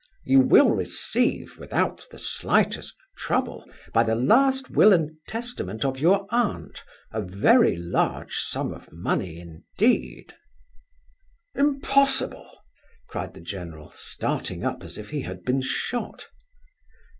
"You will receive, without the slightest trouble, by the last will and testament of your aunt, a very large sum of money indeed." "Impossible!" cried the general, starting up as if he had been shot.